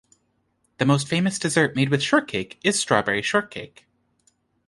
The most famous dessert made with shortcake is strawberry shortcake.